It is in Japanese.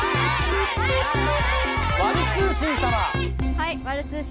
はい。